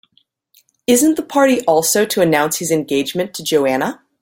Isn't the party also to announce his engagement to Joanna?